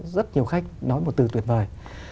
rất nhiều khách nói một từ tuyệt vời